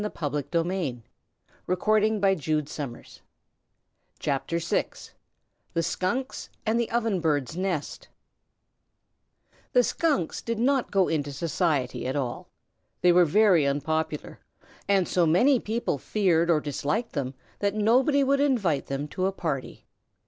Then they went to sleep. THE SKUNKS AND THE OVEN BIRD'S NEST The Skunks did not go into society at all. They were very unpopular, and so many people feared or disliked them that nobody would invite them to a party.